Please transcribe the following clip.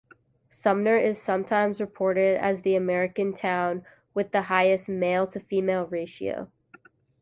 Sumner is sometimes reported as the American town with the highest male-to-female ratio.